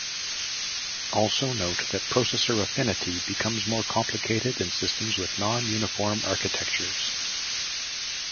Also note that processor affinity becomes more complicated in systems with non-uniform architectures.